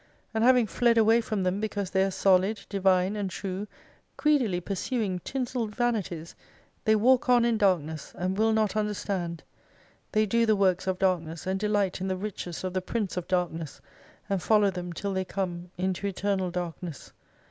And having fled aw^ay from them because they are solid, divine, and true, greedily pursuing tin selled vanities, they walk on in darkness, and will not widersiand. They do the works of darkness, and delight in the riches of the Prince of Darkness, and follow them till they come into Eternal Darkness.